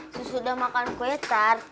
sesudah makan kue tart